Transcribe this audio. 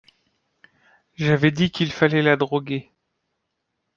J'avais dit qu'il fallait la droguer.